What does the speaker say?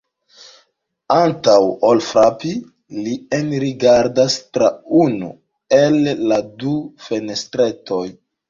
Antaŭ ol frapi, li enrigardas tra unu el la du fenestretoj.